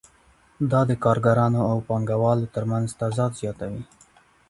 دا د کارګرانو او پانګوالو ترمنځ تضاد زیاتوي